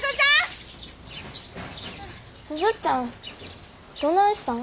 鈴ちゃんどないしたん？